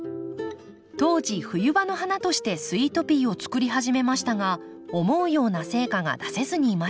当時冬場の花としてスイートピーをつくり始めましたが思うような成果が出せずにいました。